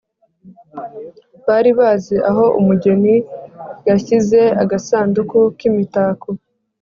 bari bazi aho umugeni yashyize agasanduku k'imitako,